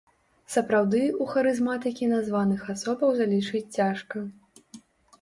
Сапраўды, у харызматыкі названых асобаў залічыць цяжка.